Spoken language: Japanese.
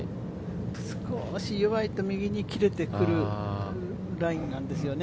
少し弱いと右に切れてくるラインなんですよね。